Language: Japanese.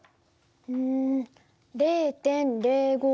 うん０．０５７